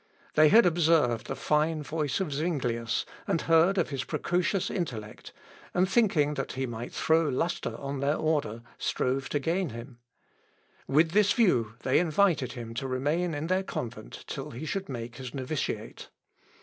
They had observed the fine voice of Zuinglius, and heard of his precocious intellect, and thinking that he might throw lustre on their order, strove to gain him. With this view they invited him to remain in their convent till he should make his noviciate.